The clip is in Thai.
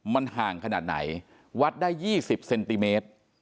มันห่างขนาดไหนวัดได้๒๐เซนติเมตร